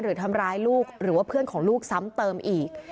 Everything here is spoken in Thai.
หรือทำร้ายลูกหรือว่าเพื่อนของลูกซ้ำเติมอีก